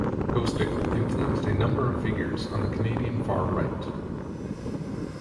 Gostick influenced a number of figures on the Canadian far right.